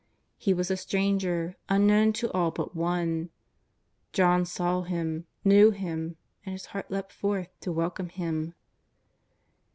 He was a stranger, unknown to all but one. John saw Him., knew Him, and his heart leapt forth to welcome Him.